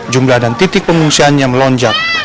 jumlah dan titik pengungsiannya melonjak